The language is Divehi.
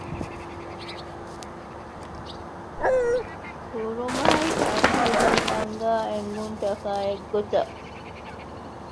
ކުރުމާއި ކައުންސިލުން އަންގާ އެންގުންތަކާއި އެއްގޮތަށް